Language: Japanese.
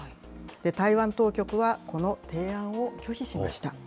台湾当局は、この提案を拒否しました。